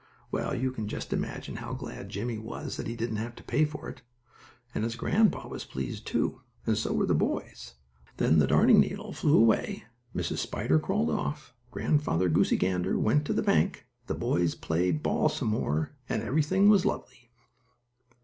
Well, you can just imagine how glad Jimmie was that he didn't have to pay for it. And his grandpa was pleased, too, and so were the boys. Then the darning needle flew away, Mrs. Spider crawled off, Grandfather Goosey Gander went to the bank, the boys played ball some more and everything was lovely.